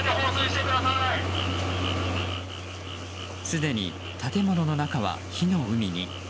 すでに建物の中は火の海に。